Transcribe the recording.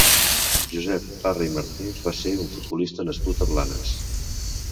Josep Parra i Martínez va ser un futbolista nascut a Blanes.